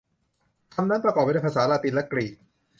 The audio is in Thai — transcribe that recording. คำนั้นประกอบไปด้วยภาษาละตินและกรีก